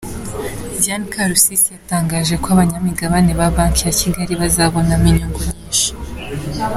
Diane Karusisi yatangaje ko abanyamigabane ba Banki ya Kigali bazabonamo inyungu nyinshi.